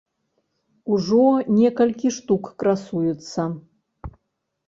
Ужо некалькі штук красуецца.